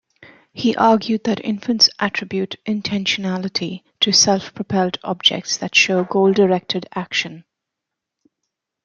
He argued that infants attribute intentionality to self-propelled objects that show goal-directed action.